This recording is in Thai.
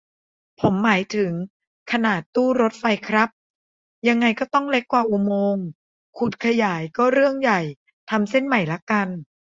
ผมหมายถึงขนาดตู้รถไฟครับ ยังไงก็ต้องเล็กกว่าอุโมงค์ ขุดขยายก็เรื่องใหญ่ ทำเส้นใหม่ละกัน